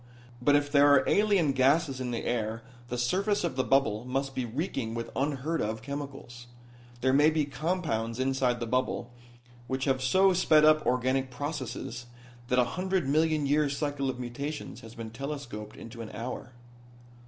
But if there are alien gases in the air the surface of the bubble must be reeking with unheard of chemicals. There may be compounds inside the bubble which have so sped up organic processes that a hundred million year cycle of mutations has been telescoped into an hour."